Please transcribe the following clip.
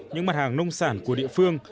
những mặt hàng nông sản của địa phương